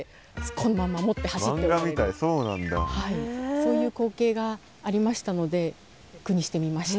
そういう光景がありましたので句にしてみました。